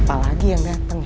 siapa lagi yang dateng ya